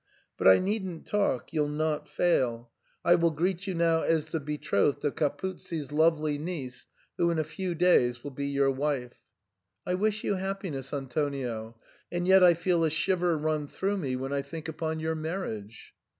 But I needn't talk, you'll not fail ; I 142 SIGNOR FORMICA. will greet you now as the betrothed of Capuzzi's lovely niece, who in a few days will be your wife. I wish you happiness, Antonio, and yet I feel a shiver run through me when I think upon your marriage."